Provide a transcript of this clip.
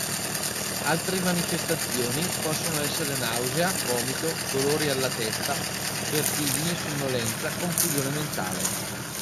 Altri manifestazioni possono essere nausea, vomito, dolori alla testa, vertigini, sonnolenza, confusione mentale.